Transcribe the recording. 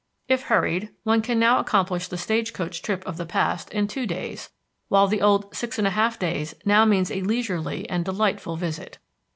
If hurried, one can now accomplish the stage coach trip of the past in two days, while the old six and a half days now means a leisurely and delightful visit.